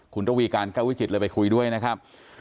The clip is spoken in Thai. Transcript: คุณระวีการแก้ววิจิตเลยไปคุยด้วยนะครับ